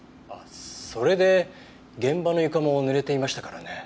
それで現場の床も濡れていましたからね。